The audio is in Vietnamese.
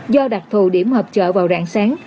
do đặc thù điểm họp chợ vào rạng sáng